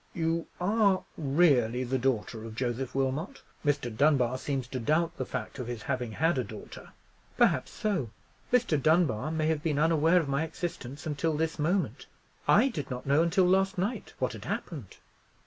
"You are really the daughter of Joseph Wilmot? Mr. Dunbar seems to doubt the fact of his having had a daughter." "Perhaps so. Mr. Dunbar may have been unaware of my existence until this moment. I did not know until last night what had happened."